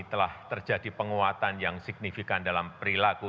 telah terjadi penguatan yang signifikan dalam perilaku